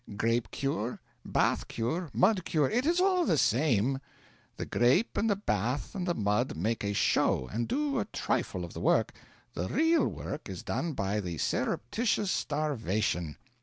Grape cure, bath cure, mud cure it is all the same. The grape and the bath and the mud make a show and do a trifle of the work the real work is done by the surreptitious starvation.